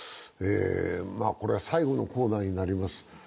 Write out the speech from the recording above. これが最後のコーナーになります。